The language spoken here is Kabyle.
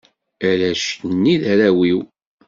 Arrac-nni, d arraw-iw.